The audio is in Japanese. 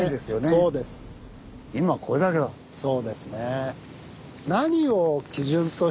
そうですね。